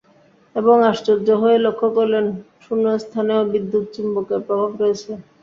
এবং আশ্চর্য হয়ে লক্ষ করলেন, শূন্যস্থানেও বিদ্যুৎ–চুম্বকের প্রভাব রয়েছে।